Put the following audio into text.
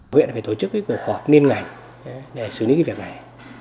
nguyễn phải tổ chức một hộp niên ngành để xử lý việc này